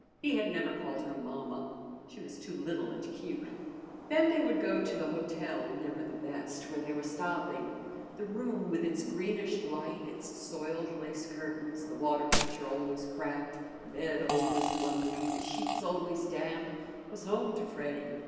He had never called her mamma. She was too little and cute. Then they would go to the hotel, never the best, where they were stopping. The room with its greenish light, its soiled lace curtains, the water pitcher always cracked, the bed always lumpy, the sheets always damp, was home to Freddy.